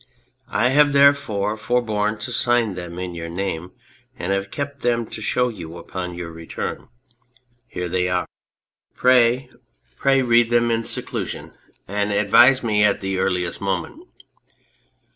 I have therefore forborne to sign them in your name, and have kept them to show you upon your return. Here they are. Pray, pray read them 197 On Anything in seclusion, and advise me at the earliest moment."